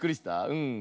うん。